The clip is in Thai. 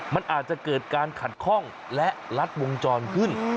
มันอาจจะเกิดการขัดข้องและลัดวงจรขึ้น